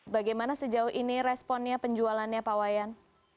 bagaimana sejauh ini responnya penjualannya pak wayan